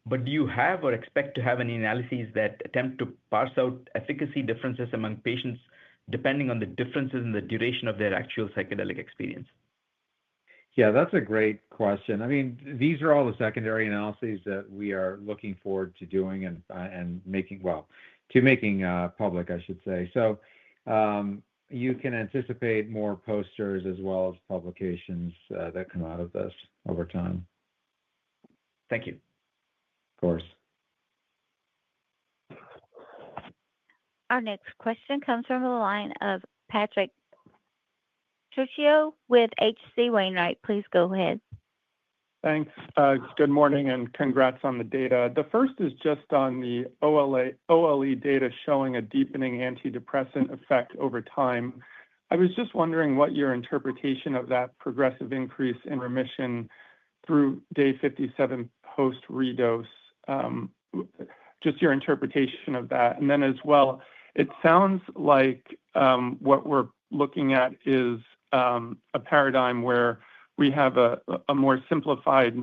But do you have or expect to have any analyses that attempt to parse out efficacy differences among patients depending on the differences in the duration of their actual psychedelic experience? Yeah, that's a great question. I mean, these are all the secondary analyses that we are looking forward to doing and making well, to making public, I should say. So you can anticipate more posters as well as publications that come out of this over time. Thank you. Of course. Our next question comes from the line of Patrick Trucchio with H.C. Wainwright. Please go ahead. Thanks. Good morning and congrats on the data. The first is just on the OLE data showing a deepening antidepressant effect over time. I was just wondering what your interpretation of that progressive increase in remission through day 57 post-redose, just your interpretation of that. And then as well, it sounds like what we're looking at is a paradigm where we have a more simplified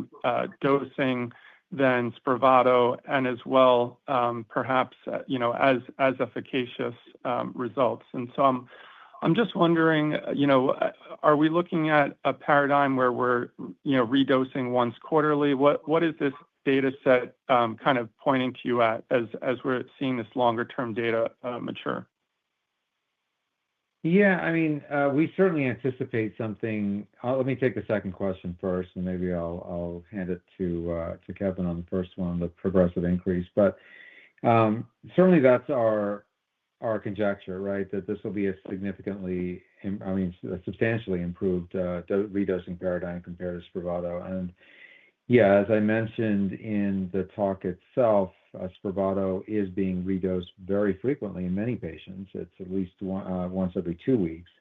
dosing than SPRAVATO and as well, perhaps, as efficacious results. And so I'm just wondering, are we looking at a paradigm where we're redosing once quarterly? What is this dataset kind of pointing to you at as we're seeing this longer-term data mature? Yeah. I mean, we certainly anticipate something. Let me take the second question first, and maybe I'll hand it to Kevin on the first one, the progressive increase. But certainly, that's our conjecture, right, that this will be a significantly, I mean, substantially improved redosing paradigm compared to SPRAVATO. And yeah, as I mentioned in the talk itself, SPRAVATO is being redosed very frequently in many patients. It's at least once every two weeks.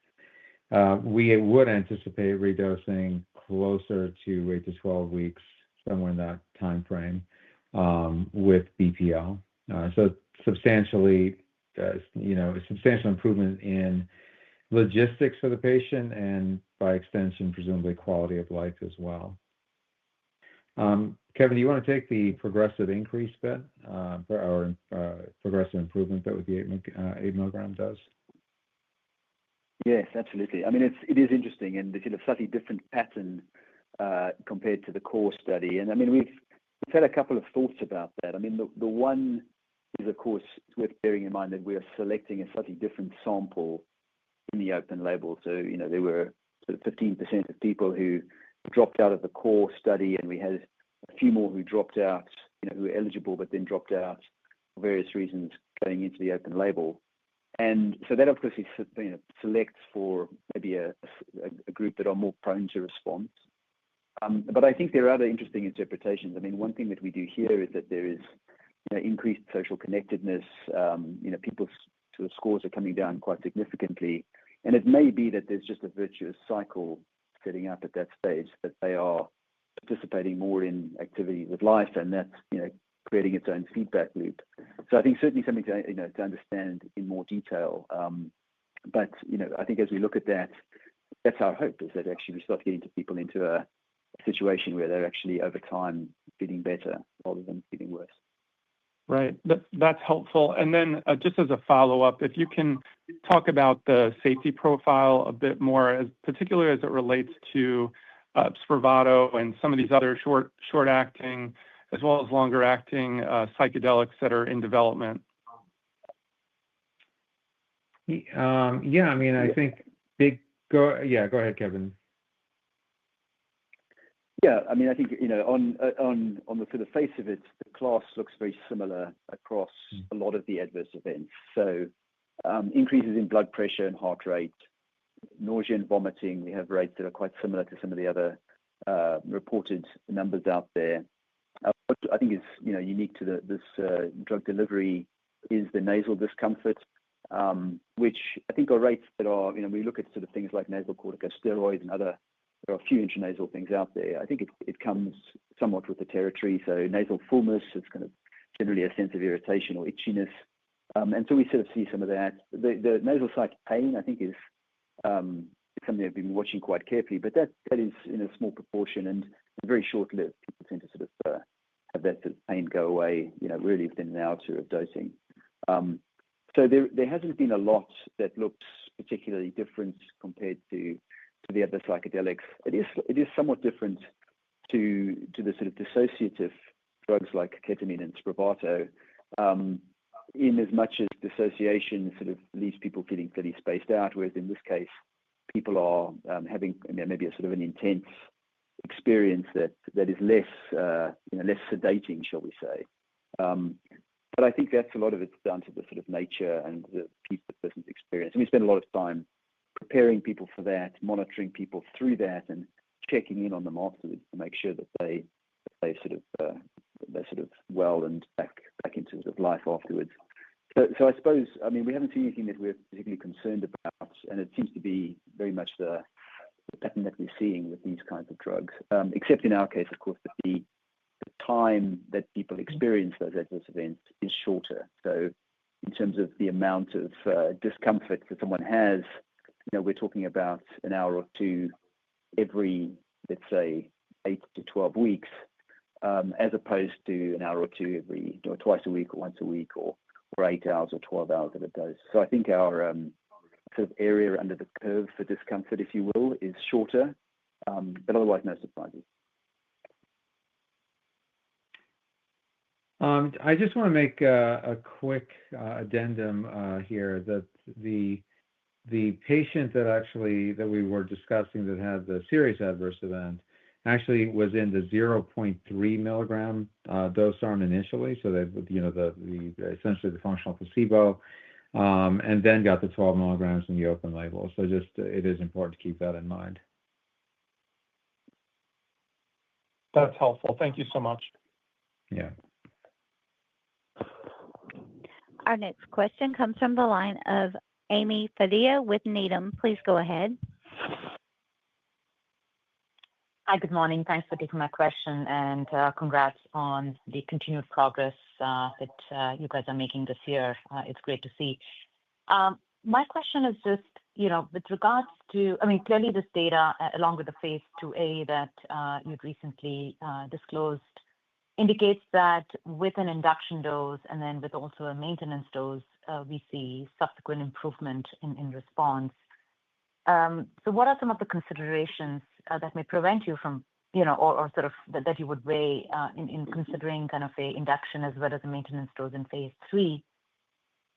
We would anticipate redosing closer to eight to 12 weeks, somewhere in that time frame with BPL. So substantially improvement in logistics for the patient and by extension, presumably, quality of life as well. Kevin, do you want to take the progressive increase bit or progressive improvement bit with the eight-mg dose? Yes, absolutely. I mean, it is interesting and sort of slightly different pattern compared to the core study, and I mean, we've had a couple of thoughts about that. I mean, the one is, of course, with bearing in mind that we are selecting a slightly different sample in the Open-Label. So there were sort of 15% of people who dropped out of the core study, and we had a few more who dropped out, who were eligible but then dropped out for various reasons going into the Open-Label, and so that, of course, selects for maybe a group that are more prone to response, but I think there are other interesting interpretations. I mean, one thing that we do hear is that there is increased social connectedness. People's scores are coming down quite significantly. And it may be that there's just a virtuous cycle setting up at that stage that they are participating more in activities of life, and that's creating its own feedback loop. So I think certainly something to understand in more detail. But I think as we look at that, that's our hope is that actually we start getting people into a situation where they're actually, over time, feeling better rather than feeling worse. Right. That's helpful, and then just as a follow-up, if you can talk about the safety profile a bit more, particularly as it relates to SPRAVATO and some of these other short-acting as well as longer-acting psychedelics that are in development. Yeah. I mean, I think big yeah, go ahead, Kevin. Yeah. I mean, I think on the face of it, the class looks very similar across a lot of the adverse events. So increases in blood pressure and heart rate, nausea and vomiting, we have rates that are quite similar to some of the other reported numbers out there. I think it's unique to this drug delivery is the nasal discomfort, which I think are rates that are we look at sort of things like nasal corticosteroids and other there are a few intranasal things out there. I think it comes somewhat with the territory. So nasal fullness is kind of generally a sense of irritation or itchiness. And so we sort of see some of that. The nasal-side pain, I think, is something I've been watching quite carefully. But that is in a small proportion and very short-lived. People tend to sort of have that pain go away really within an hour or two of dosing. So there hasn't been a lot that looks particularly different compared to the other psychedelics. It is somewhat different to the sort of dissociative drugs like ketamine and SPRAVATO in as much as dissociation sort of leaves people feeling fairly spaced out, whereas in this case, people are having maybe a sort of an intense experience that is less sedating, shall we say. But I think that's a lot of it's down to the sort of nature and the peak of the person's experience. And we spend a lot of time preparing people for that, monitoring people through that, and checking in on them afterwards to make sure that they sort of are sort of well and back into sort of life afterwards. So I suppose, I mean, we haven't seen anything that we're particularly concerned about. And it seems to be very much the pattern that we're seeing with these kinds of drugs, except in our case, of course, that the time that people experience those adverse events is shorter. So in terms of the amount of discomfort that someone has, we're talking about an hour or two every, let's say, 8 to 12 weeks as opposed to an hour or two every twice a week or once a week or 8 hours or 12 hours of a dose. So I think our sort of area under the curve for discomfort, if you will, is shorter, but otherwise no surprises. I just want to make a quick addendum here that the patient that actually we were discussing that had the serious adverse event actually was in the 0.3 mg dose arm initially, so essentially the functional placebo, and then got the 12 mg in the Open-Label. So just it is important to keep that in mind. That's helpful. Thank you so much. Yeah. Our next question comes from the line of Ami Fadia with Needham. Please go ahead. Hi, good morning. Thanks for taking my question and congrats on the continued progress that you guys are making this year. It's great to see. My question is just with regards to, I mean, clearly this data along with the phase II-A that you've recently disclosed indicates that with an induction dose and then with also a maintenance dose, we see subsequent improvement in response. So what are some of the considerations that may prevent you from or sort of that you would weigh in considering kind of an induction as well as a maintenance dose in phase III?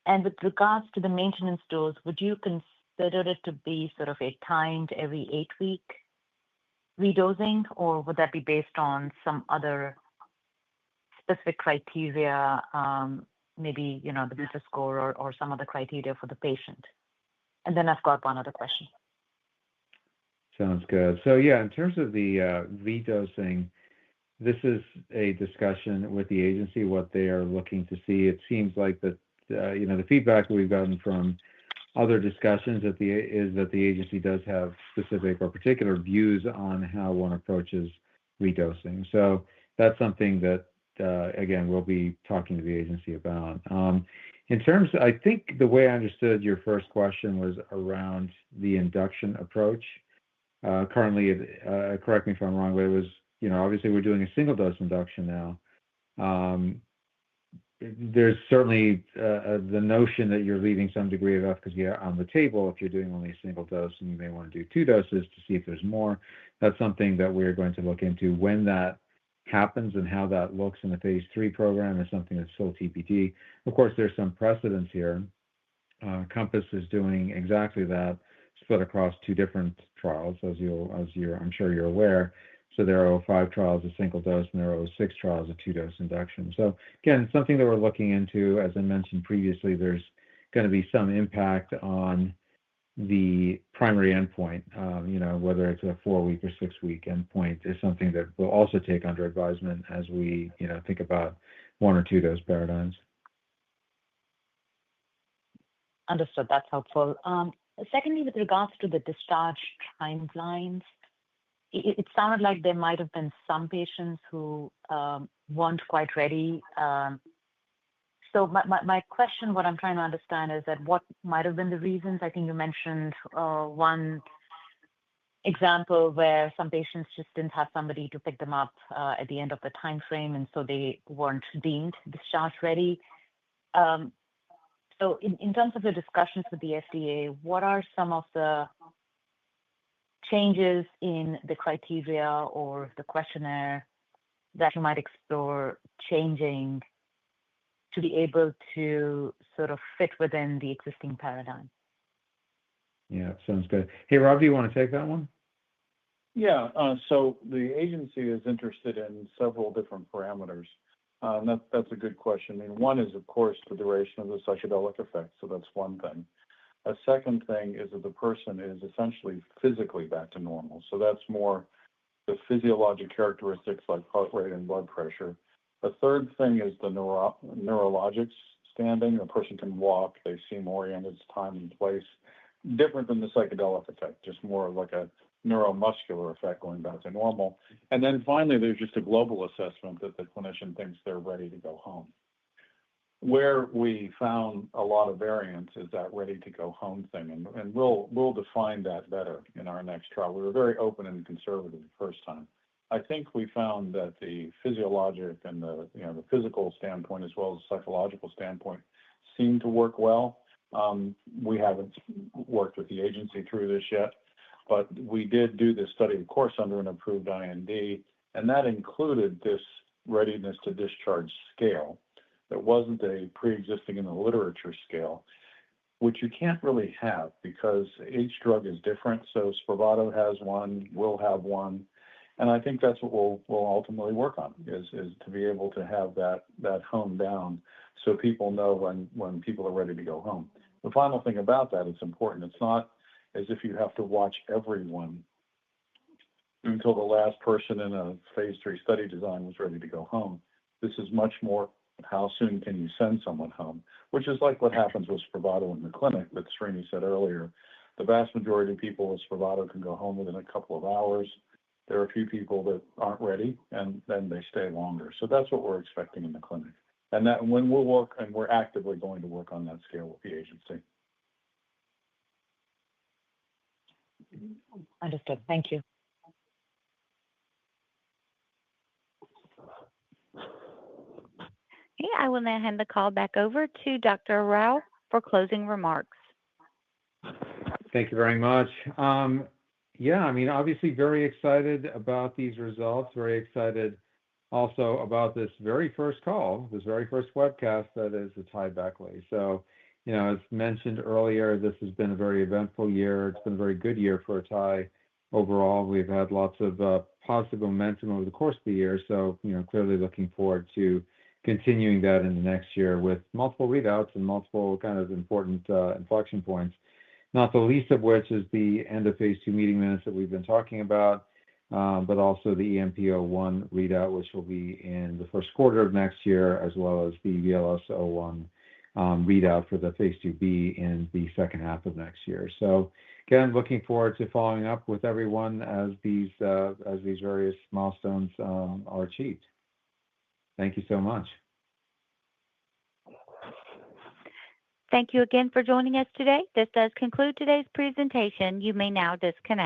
And with regards to the maintenance dose, would you consider it to be sort of a timed every eight-week redosing, or would that be based on some other specific criteria, maybe the score or some other criteria for the patient? And then I've got one other question. Sounds good. So yeah, in terms of the redosing, this is a discussion with the agency what they are looking to see. It seems like that the feedback we've gotten from other discussions is that the agency does have specific or particular views on how one approaches redosing. So that's something that, again, we'll be talking to the agency about. In terms of, I think the way I understood your first question was around the induction approach. Currently, correct me if I'm wrong, but it was obviously we're doing a single-dose induction now. There's certainly the notion that you're leaving some degree of efficacy on the table if you're doing only a single dose and you may want to do two doses to see if there's more. That's something that we're going to look into when that happens and how that looks in the phase III program is something that's still TBD. Of course, there's some precedent here. Compass is doing exactly that split across two different trials, as I'm sure you're aware. So there are 05 trials of single dose and there are 06 trials of two-dose induction. So again, something that we're looking into, as I mentioned previously, there's going to be some impact on the primary endpoint, whether it's a four-week or six-week endpoint is something that we'll also take under advisement as we think about one or two-dose paradigms. Understood. That's helpful. Secondly, with regards to the discharge timelines, it sounded like there might have been some patients who weren't quite ready. So my question, what I'm trying to understand is that what might have been the reasons? I think you mentioned one example where some patients just didn't have somebody to pick them up at the end of the timeframe, and so they weren't deemed discharge-ready. So in terms of the discussions with the FDA, what are some of the changes in the criteria or the questionnaire that you might explore changing to be able to sort of fit within the existing paradigm? Yeah. Sounds good. Hey, Rob, do you want to take that one? Yeah. So the agency is interested in several different parameters. That's a good question. I mean, one is, of course, the duration of the psychedelic effect. So that's one thing. A second thing is that the person is essentially physically back to normal. So that's more the physiologic characteristics like heart rate and blood pressure. A third thing is the neurological standing. The person can walk. They seem oriented to time and place. Different than the psychedelic effect, just more of like a neuromuscular effect going back to normal. And then finally, there's just a global assessment that the clinician thinks they're ready to go home. Where we found a lot of variance is that ready-to-go-home thing. And we'll define that better in our next trial. We were very open and conservative the first time. I think we found that the physiologic and the physical standpoint as well as the psychological standpoint seemed to work well. We haven't worked with the agency through this yet, but we did do this study, of course, under an approved IND, and that included this readiness-to-discharge scale. There wasn't a pre-existing in the literature scale, which you can't really have because each drug is different. So SPRAVATO has one, we'll have one. And I think that's what we'll ultimately work on is to be able to have that honed down so people know when people are ready to go home. The final thing about that, it's important. It's not as if you have to watch everyone until the last person in a phase III study design was ready to go home. This is much more how soon can you send someone home, which is like what happens with SPRAVATO in the clinic that Srini said earlier. The vast majority of people with SPRAVATO can go home within a couple of hours. There are a few people that aren't ready, and then they stay longer. So that's what we're expecting in the clinic. And that's what we'll work on, and we're actively going to work on that scale with the agency. Understood. Thank you. Hey, I will now hand the call back over to Dr. Rao for closing remarks. Thank you very much. Yeah. I mean, obviously very excited about these results, very excited also about this very first call, this very first webcast that is AtaiBeckley. So as mentioned earlier, this has been a very eventful year. It's been a very good year for Atai overall. We've had lots of positive momentum over the course of the year. So clearly looking forward to continuing that in the next year with multiple readouts and multiple kind of important inflection points, not the least of which is the end of phase II meeting minutes that we've been talking about, but also the EMP-01 readout, which will be in the first quarter of next year, as well as the VLS-01 readout for the phase II-B in the second half of next year. So again, looking forward to following up with everyone as these various milestones are achieved. Thank you so much. Thank you again for joining us today. This does conclude today's presentation. You may now disconnect.